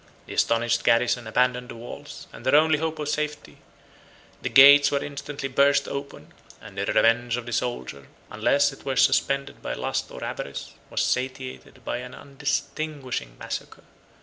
The astonished garrison abandoned the walls, and their only hope of safety; the gates were instantly burst open; and the revenge of the soldier, unless it were suspended by lust or avarice, was satiated by an undistinguishing massacre.